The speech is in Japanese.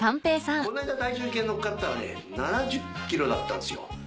この間体重計乗っかったらね７０ｋｇだったんですよ。